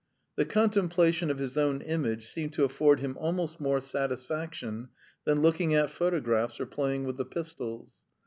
The contemplation of his own image seemed to afford him almost more satisfaction than looking at photographs or playing with the pistols.